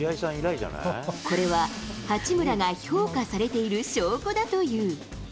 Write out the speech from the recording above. これは、八村が評価されている証拠だという。